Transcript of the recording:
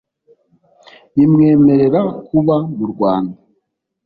bimwemerera kuba mu rwanda